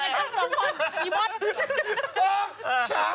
ปลาหมึกแท้เต่าทองอร่อยทั้งชนิดเส้นบดเต็มตัว